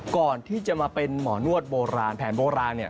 ก่อนที่จะมาเป็นหมอนวดโบราณแผนโบราณเนี่ย